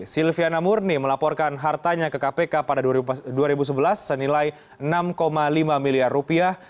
silviana murni melaporkan hartanya ke kpk pada dua ribu sebelas senilai enam lima miliar rupiah